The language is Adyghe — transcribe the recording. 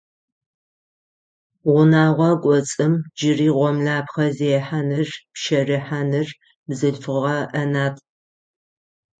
Унэгъо кӏоцӏым джыри гъомлэпхъэ зехьаныр, пщэрыхьаныр бзылъфыгъэ ӏэнатӏ.